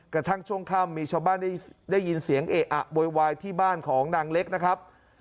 กระทั่งช่วงค่ำมีชาวบ้านได้ยินเสียงเอะอะโวยวายที่บ้านของนางเล็กนะครับ